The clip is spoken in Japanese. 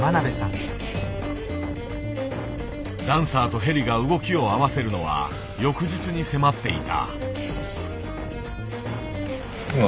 ダンサーとヘリが動きを合わせるのは翌日に迫っていた。